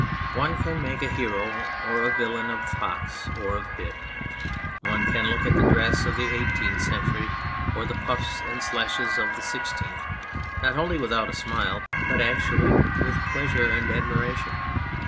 One can make a hero or villain of Fox or of Pitt. One can look at the dress of the Eighteenth Century, or the puffs and slashes of the Sixteenth, not only without a smile, but actually with pleasure and admiration.